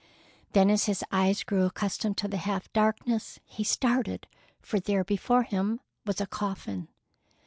Then as his eyes grew accustomed to the half darkness, he started, for there before him was a coffin!